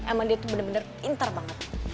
emang dia tuh bener bener pinter banget